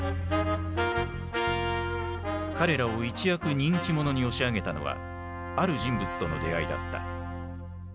彼らを一躍人気者に押し上げたのはある人物との出会いだった。